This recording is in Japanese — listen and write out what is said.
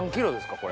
これ。